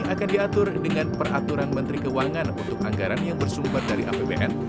akan diatur dengan peraturan menteri keuangan untuk anggaran yang bersumber dari apbn